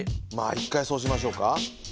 一回そうしましょうか。